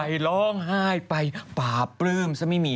ทั้งพูดไปร้อนไห้ไปป่าปลื้ม